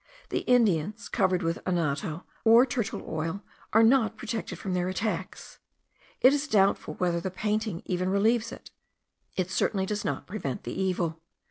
The Indians, covered with anoto, bolar earth, or turtle oil, are not protected from their attacks. It is doubtful whether the painting even relieves: it certainly does not prevent the evil.